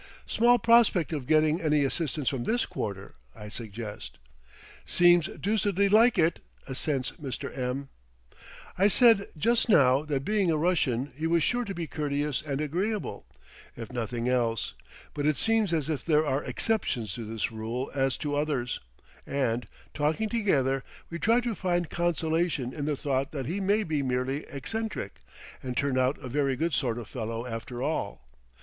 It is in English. "Small prospect of getting any assistance from this quarter," I suggest. "Seems deucedly like it," assents Mr. M . "I said, just now, that, being a Russian, he was sure to be courteous and agreeable, if nothing else; but it seems as if there are exceptions to this rule as to others;" and, talking together, we try to find consolation in the thought that he may be merely eccentric, and turn out a very good sort of fellow after all.